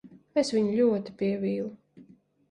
Es viņu ļoti pievīlu.